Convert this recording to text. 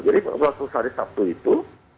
jadi waktu hari sabtu itu